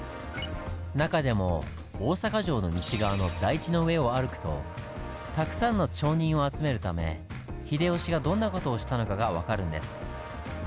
中でも大阪城の西側の台地の上を歩くとたくさんの町人を集めるため秀吉がどんな事をしたのかが分かるんです。